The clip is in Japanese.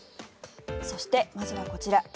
そして、まずはこちら。